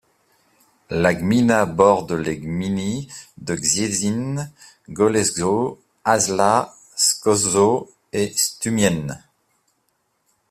La gmina borde les gminy de Cieszyn, Goleszów, Hażlach, Skoczów et Strumień.